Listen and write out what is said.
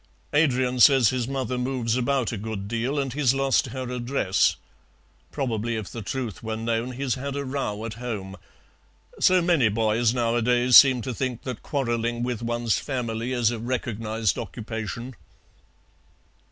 Adrian says his mother moves about a good deal and he's lost her address. Probably, if the truth were known, he's had a row at home. So many boys nowadays seem to think that quarrelling with one's family is a recognized occupation."